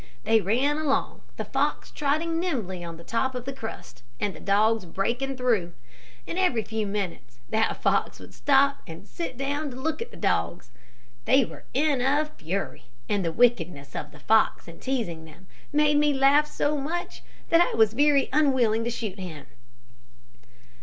They ran along, the fox trotting nimbly on the top of the crust and the dogs breaking through, and every few minutes that fox would stop and sit down to look at the dogs. They were in a fury, and the wickedness of the fox in teasing them, made me laugh so much that I was very unwilling to shoot him."